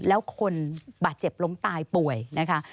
แล้วคนบาดเจ็บล้มตายป่วยนะคะ